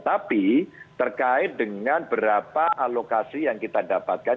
tapi terkait dengan berapa alokasi yang kita dapatkan